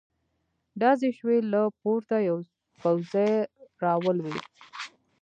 ډزې شوې، له پورته يو پوځې را ولوېد.